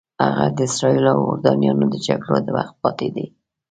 هغه د اسرائیلو او اردنیانو د جګړو د وخت پاتې دي.